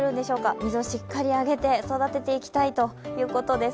水をしっかりあげて育てていきたいということです。